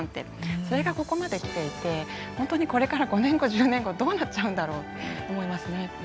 それがここまできていてこれから５年後、１０年後どうなっちゃうんだろうって思います。